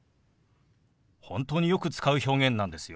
本当によく使う表現なんですよ。